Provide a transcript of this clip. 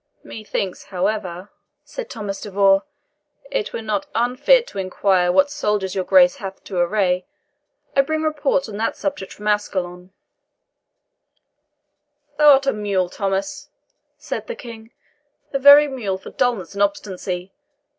"Methinks, however," said Thomas de Vaux, "it were not unfit to inquire what soldiers your Grace hath to array. I bring reports on that subject from Ascalon." "Thou art a mule, Thomas," said the King "a very mule for dullness and obstinacy!